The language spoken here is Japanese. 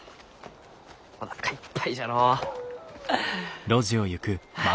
おなかいっぱいじゃのう。はあ。